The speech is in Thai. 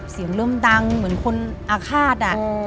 เสียงเริ่มดังเหมือนคนอาฆาต